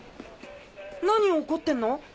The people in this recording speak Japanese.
何怒ってんの？